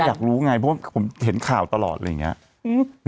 อยากรู้ไงเพราะว่าผมเห็นข่าวตลอดอะไรอย่างนี้